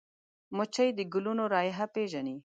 مچمچۍ د ګلونو رایحه پېژني